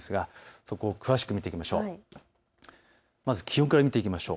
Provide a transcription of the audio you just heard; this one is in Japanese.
そこを詳しく見ていきましょう。